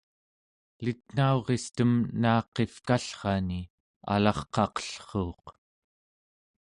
elitnauristem naaqivkallrani alarqaqellruuq